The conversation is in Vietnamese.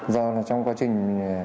do là trong quá trình